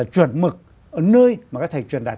chuẩn mực ở nơi mà các thầy truyền đạt